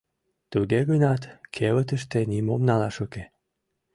Туге гынат кевытыште нимом налаш уке.